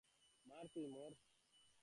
মর তুই, মর।